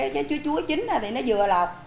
thì cái chuối chín thì nó vừa lọt